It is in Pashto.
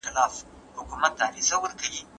که زړه سوی وي نو انسانیت نه مري.